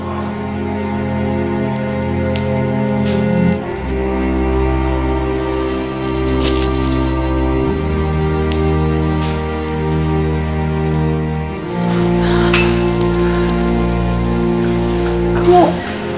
kamu benci ya sama aku